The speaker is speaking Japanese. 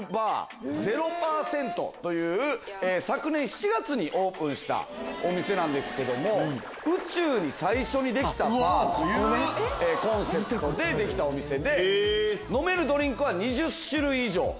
昨年７月にオープンしたお店ですけども宇宙に最初にできたバーというコンセプトでできたお店で飲めるドリンクは２０種類以上。